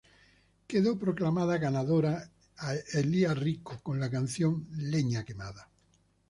Queda proclamada ganadora a Elia Rico con la canción "Leña quemada".